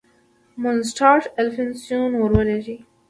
مونسټارټ الفینستون ور ولېږی.